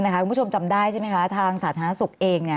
คุณผู้ชมจำได้ใช่ไหมคะทางสาธารณสุขเอง